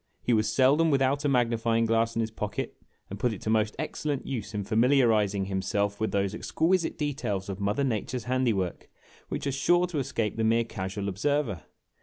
He was seldom without a ma^ni o fying glass in his pocket, and put it to most excellent use in famil iarizing himself with those exquisite details of Mother Nature's handiwork which are sure to escape the mere casual observer."